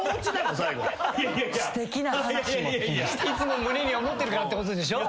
いつも胸に思ってるからってことでしょ？